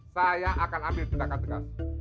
saya akan ambil tindakan tegas